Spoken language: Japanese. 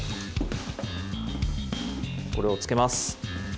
これを着けます。